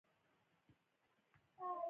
زموږ د بام پر لور راوالوزي او راشي